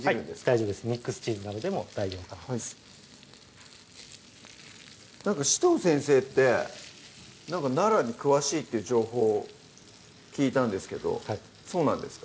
大丈夫ですミックスチーズなどでも代用可能ですなんか紫藤先生って奈良に詳しいっていう情報を聞いたんですけどそうなんですか？